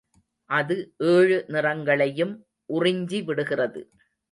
அது ஏழு நிறங்களையும் உறிஞ்சிவிடுகிறது.